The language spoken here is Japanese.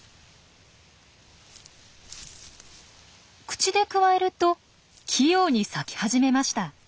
口でくわえると器用に裂き始めました。